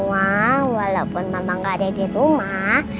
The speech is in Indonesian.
wah walaupun mama nggak ada di rumah